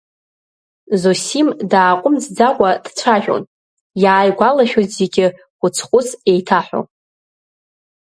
Зосим дааҟәымҵӡакәа дцәажәон, иааигәалашәоз зегьы хәыц-хәыц еиҭаҳәо.